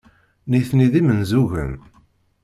Nitni d imenzugen.